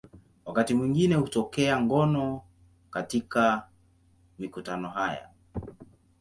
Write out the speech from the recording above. Wakati mwingine hutokea ngono katika mikutano haya.